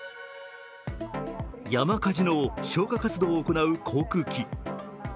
山火事の消火活動を行う航空機。